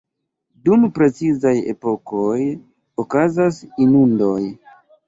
Dum precizaj epokoj okazas inundoj.